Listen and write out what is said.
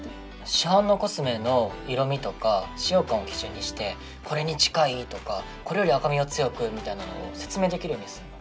市販のコスメの色みとか使用感を基準にして「これに近い」とか「これより赤みを強く」みたいなのを説明できるようにすんの。